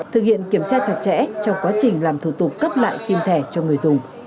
thực hiện kiểm tra chặt chẽ trong quá trình làm thủ tục cấp lại sim thẻ cho người dùng